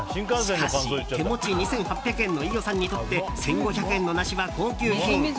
しかし、手持ち２８００円の飯尾さんにとって１５００円のナシは高級品。